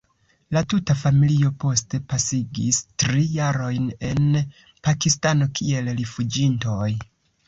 La tuta familio poste pasigis tri jarojn en Pakistano kiel rifuĝintoj.